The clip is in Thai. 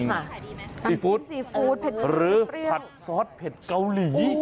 ซีฟู้ดซีฟู้ดหรือผัดซอสเผ็ดเกาหลี